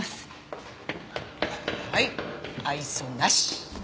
はい愛想なし。